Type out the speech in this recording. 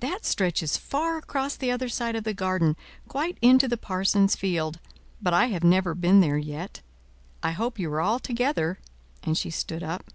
"That stretches far across the other side of the garden, quite into the parson's field; but I have never been there yet. I hope you are all together," and she stood up.